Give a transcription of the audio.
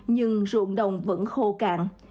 nhưng ruộng đồng vẫn khô kẹt